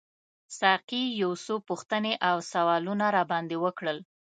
ساقي یو څو پوښتنې او سوالونه راباندي وکړل.